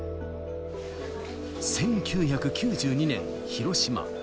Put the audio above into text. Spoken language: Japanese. １９９２年、広島。